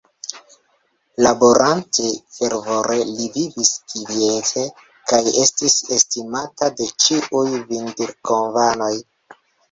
Laborante fervore, li vivis kviete kaj estis estimata de ĉiuj Vindirkovanoj.